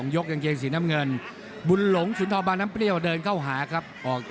ยกกางเกงสีน้ำเงินบุญหลงสุนทรบางน้ำเปรี้ยวเดินเข้าหาครับออก